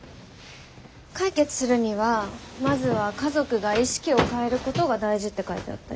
解決するにはまずは家族が意識を変えることが大事って書いてあったよ。